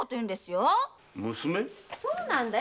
そうなんだよ